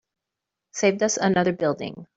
Saved us another building.